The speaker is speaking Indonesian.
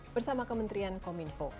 bersama kementerian kominfo